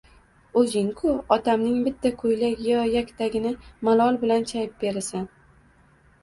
O`zing-ku, otamning bitta ko`ylak yo yaktagini malol bilan chayib berasan